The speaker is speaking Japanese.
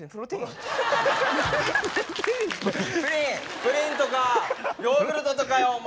プリンプリンとかヨーグルトとかよお前。